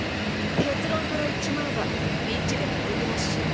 結論から言っちまえばウィッチでも無理らしい。